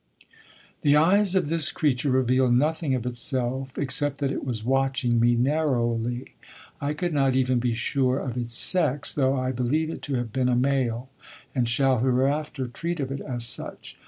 The eyes of this creature revealed nothing of itself except that it was watching me narrowly. I could not even be sure of its sex, though I believe it to have been a male, and shall hereafter treat of it as such.